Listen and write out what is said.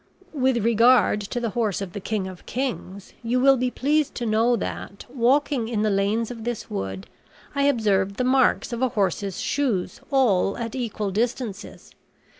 "With regard to the horse of the king of kings, you will be pleased to know that, walking in the lanes of this wood, I observed the marks of a horse's shoes, all at equal distances.